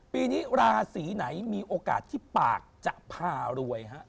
ปีนี้ราศีไหนมีโอกาสที่ปากจะพารวยฮะ